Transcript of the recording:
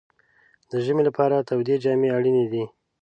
د ژمي لپاره تودې جامې اړینې دي.